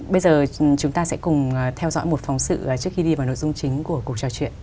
bây giờ chúng ta sẽ cùng theo dõi một phóng sự trước khi đi vào nội dung chính của cuộc trò chuyện